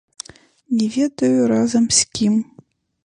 Не ведаю, разам з кім.